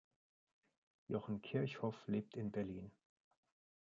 Jochen Kirchhoff lebt in Berlin.